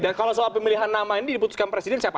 dan kalau soal pemilihan nama ini diputuskan presiden siapa